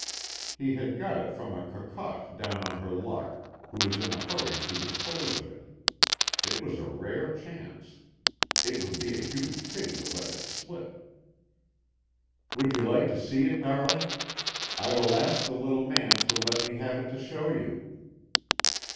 He had got it from a cocotte down on her luck, who was in a hurry to dispose of it. It was a rare chance; it would be a huge pity to let it slip. "Would you like to see it, darling? I will ask the little man to let me have it to show you."